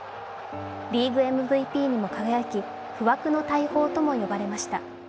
リーグＭＶＰにも輝き、不惑の大砲とも呼ばれました。